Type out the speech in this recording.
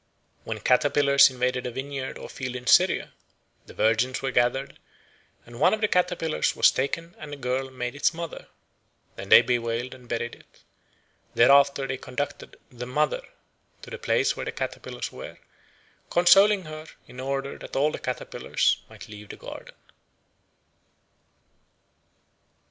When caterpillars invaded a vineyard or field in Syria, the virgins were gathered, and one of the caterpillars was taken and a girl made its mother. Then they bewailed and buried it. Thereafter they conducted the "mother" to the place where the caterpillars were, consoling her, in order that all the caterpillars might leave the garden.